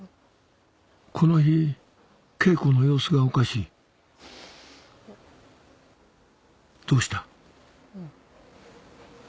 この日敬子の様子がおかしいどうした？